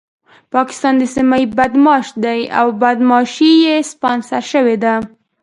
پاکستان د سيمې بدمعاش دی او بدمعاشي يې سپانسر شوې ده.